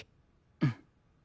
うん。